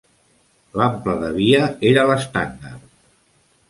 L'ample de via era l'estàndard.